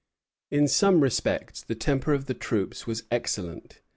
In some respects the temper of the troops was excellent.